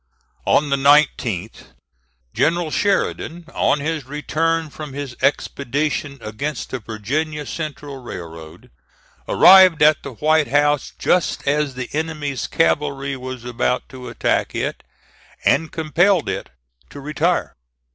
On the 19th, General Sheridan, on his return from his expedition against the Virginia Central Railroad, arrived at the White House just as the enemy's cavalry was about to attack it, and compelled it to retire.